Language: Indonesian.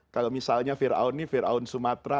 kalau misalnya fir'aun ini fir'aun sumatra